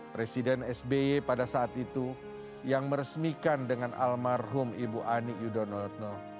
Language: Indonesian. presiden sby pada saat itu yang meresmikan dengan almarhum ibu ani yudho notno